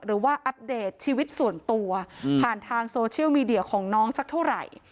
อัปเดตชีวิตส่วนตัวผ่านทางโซเชียลมีเดียของน้องสักเท่าไหร่